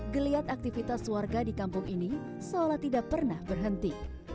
geliat aktivitas warga di kampung ini seolah tidak pernah berhenti